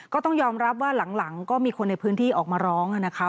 ก็ต้องยอมรับว่าหลังก็มีคนในพื้นที่ออกมาร้องนะคะ